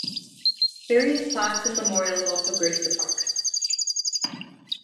Various plaques and memorials also grace the park.